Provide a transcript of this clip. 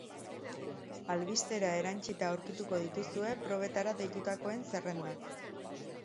Albistera erantsita aurkituko dituzue probetara deitutakoen zerrendak.